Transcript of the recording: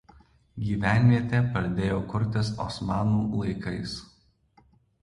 Gyvenvietė pradėjo kurtis Osmanų laikais.